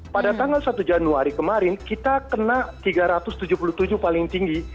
pada tanggal satu januari kemarin kita kena tiga ratus tujuh puluh tujuh paling tinggi